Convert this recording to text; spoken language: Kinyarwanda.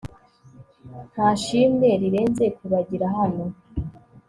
ntashimwe rirenze kubagira hano